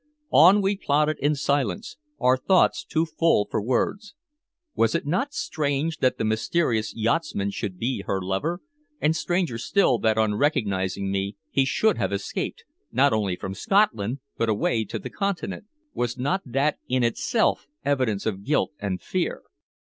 On we plodded in silence, our thoughts too full for words. Was it not strange that the mysterious yachtsman should be her lover, and stranger still that on recognizing me he should have escaped, not only from Scotland, but away to the Continent? Was not that, in itself, evidence of guilt and fear?